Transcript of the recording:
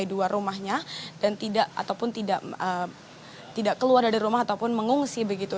ini juga terdampak di area rumahnya dan tidak keluar dari rumah ataupun mengungsi begitu